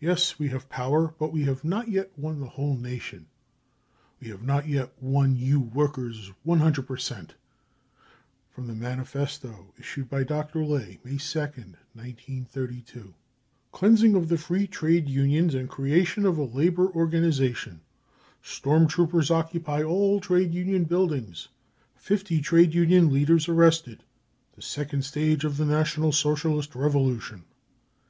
Yes, we have power, but we have not yet won the whole nation. We have not yet won you workers r, hundred per cent. .., 33 (From the manifesto issued by Dr. Ley, May 2nd, 1932*.) DESTRUCTION OF WORKERS 3 ORGANISATIONS 1 49 „" Cleansing of the free trade unions and creation of a Labour organisation ; storm troops occupy all trade union buildings : 50 trade union leaders arrested : the second stage of the National Socialist revolution.